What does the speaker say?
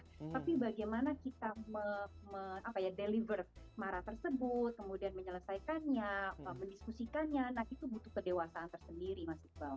tapi bagaimana kita menghasilkan kemarahan tersebut kemudian menyelesaikannya mendiskusikannya itu butuh kedewasaan tersebut